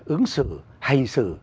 ứng xử hành xử